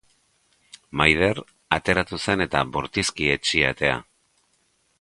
Maider ateratu zen eta bortizki hetsi atea.